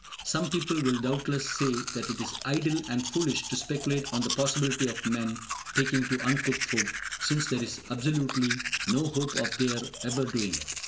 Some people will doubtless say that it is idle and foolish to speculate on the possibility of men taking to uncooked food, since there is absolutely no hope of their ever doing it.